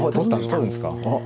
取るんですか。